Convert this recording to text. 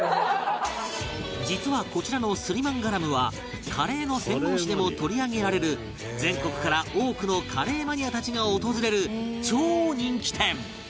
実はこちらのスリマンガラムはカレーの専門誌でも取り上げられる全国から多くのカレーマニアたちが訪れる超人気店